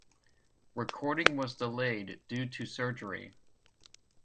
Recording was delayed due to surgery.